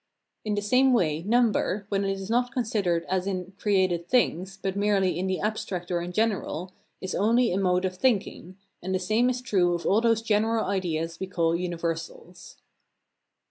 In the same way number, when it is not considered as in created things, but merely in the abstract or in general, is only a mode of thinking; and the same is true of all those general ideas we call universals.